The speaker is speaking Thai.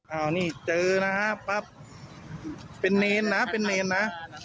เอานี่เจอนะฮะปั๊บเป็นเนรนะเป็นเนรนะ